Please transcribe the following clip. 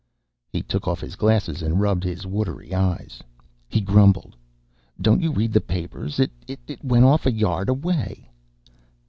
He took off his glasses and rubbed his watery eyes. He grumbled, "Don't you read the papers? It went off a yard away."